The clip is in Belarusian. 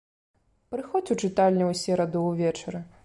Прыходзь ў чытальню ў сераду ўвечары.